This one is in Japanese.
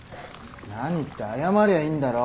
何って謝りゃいいんだろ。